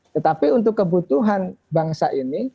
tetapi untuk kebutuhan bangsa ini